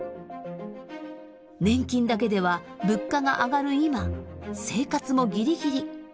年金だけでは物価が上がる今生活もギリギリ。